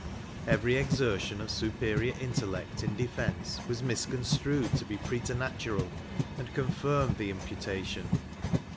Every exertion of superior intellect in defence was misconstrued to be preternatural, and confirmed the imputution.